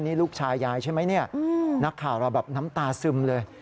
นี่ลูกชายยายใช่ไหมเนี่ยนักข่าวเราแบบน้ำตาซึมเลย